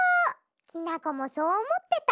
きなこもそうおもってた。